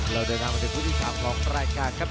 เราเดินข้างมาเป็นทุกที่สามของรายการครับ